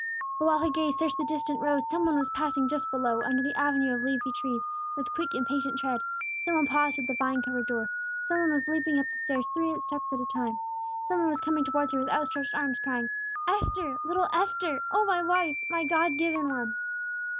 But while her gaze searched the distant road, some one was passing just below, under the avenue of leafy trees, with quick impatient tread; some one paused at the vine covered door; some one was leaping up the stairs three steps at a time; some one was coming towards her with out stretched arms, crying, "Esther, little Esther, O my wife! My God given one!"